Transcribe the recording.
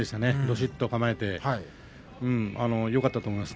じっと構えてよかったと思います。